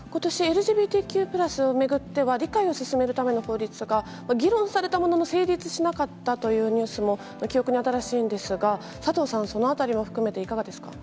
ことしＬＧＢＴＱプラスを巡っては、理解を進めるための法律が議論されたものの、成立しなかったというニュースも記憶に新しいんですが、佐藤さん、そのあたりも含めていかがですか？